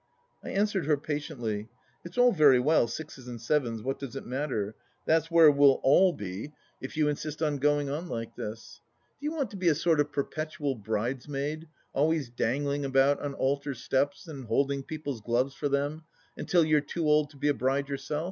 " I answered her patiently. " It's all very well — sixes and sevens — what does it matter ? That's where we'll all be if 26 THE LAST DITCH you insist on going on like this. Do you want to be a sort of perpetual bridesmaid, always dangling about on altar steps and holding people's gloves for them, until you're too old to be a bride yourself